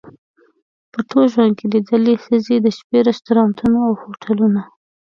په ټول ژوند کې لیدلې ښځې د شپې رستورانتونه او هوټلونه.